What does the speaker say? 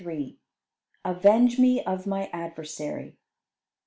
] "AVENGE ME OF MY ADVERSARY."